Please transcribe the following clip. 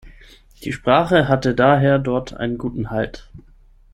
Die Sprache hatte daher dort einen guten Halt.